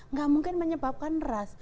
nggak mungkin menyebabkan ras